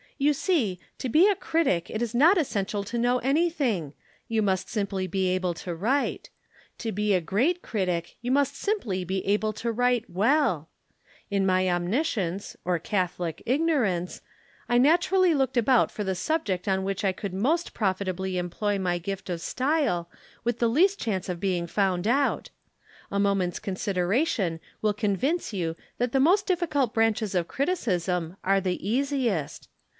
You see, to be a critic it is not essential to know anything you must simply be able to write. To be a great critic you must simply be able to write well. In my omniscience, or catholic ignorance, I naturally looked about for the subject on which I could most profitably employ my gift of style with the least chance of being found out. A moment's consideration will convince you that the most difficult branches of criticism are the easiest.